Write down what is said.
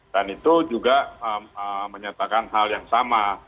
dan itu juga menyatakan hal yang sama